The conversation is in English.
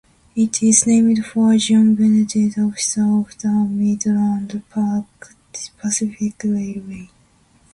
It is named for John Bennett, officer of the Midland Pacific Railway.